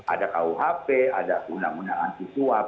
ada kuhp ada undang undang anti suap